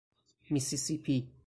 میسیسیپی